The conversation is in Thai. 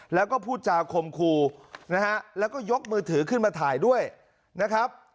แล้วก็พูดจาคมครูนะฮะแล้วก็ยกมือถือขึ้นมาถ่ายด้วยนะครับ